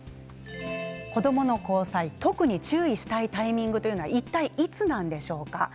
子どもの交際、特に注意したいタイミングというのはいったい、いつなんでしょうか。